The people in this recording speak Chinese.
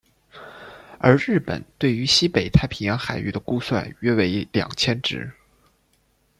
而日本对于西北太平洋海域的估算约为二千只。